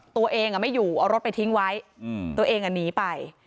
ตัวเองไม่อยู่เอารถไปทิ้งไว้ตัวเองหนีไป